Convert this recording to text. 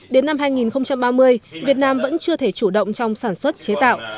đến năm hai nghìn ba mươi việt nam vẫn chưa thể chủ động trong sản xuất chế tạo